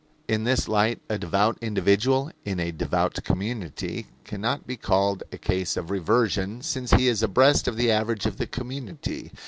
In this light, a devout individual in a devout community can not be called a case of reversion, since he is abreast of the average of the community.